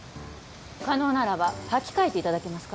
可能ならば履き替えていただけますか？